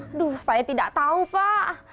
aduh saya tidak tahu pak